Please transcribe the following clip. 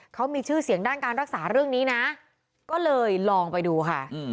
เขามีชื่อเสียงด้านการรักษาเรื่องนี้นะก็เลยลองไปดูค่ะ